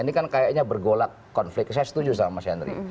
ini kan kayaknya bergolak konflik saya setuju sama mas henry